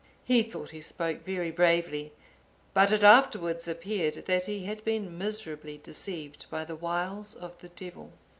He thought he spoke very bravely, but it afterwards appeared that he had been miserably deceived by the wiles of the Devil.